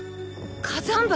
火山灰。